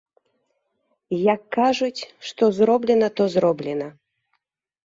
Як кажуць, што зроблена, то зроблена.